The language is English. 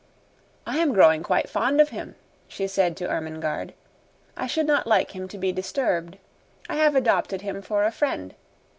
"I am growing quite fond of him," she said to Ermengarde; "I should not like him to be disturbed. I have adopted him for a friend.